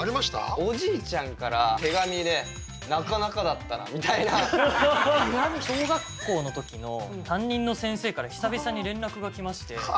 おじいちゃんから手紙で「なかなかだったな」みたいな。小学校の時の担任の先生から久々に連絡が来まして。